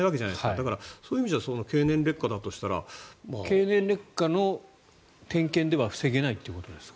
だからそういう意味じゃ経年劣化だとしたら。経年劣化の点検では防げないということですか？